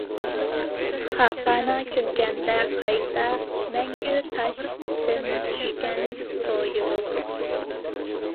خاقانىيە كۈلگەندە قايتا «مەڭگۈ تاش» تىن چۈشكەن سويۇلۇپ.